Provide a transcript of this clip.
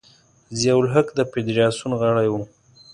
ضیا الحق د فدراسیون غړی و.